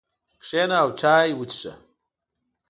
کښېنه او چای وڅښه.